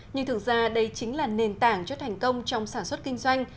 nhưng thực ra đây chính là nền tảng cho thành công trong sản xuất kinh doanh